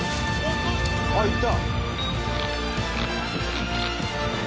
「あっいった」